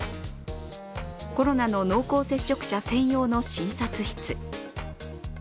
コロナの濃厚接触者専用の診察室。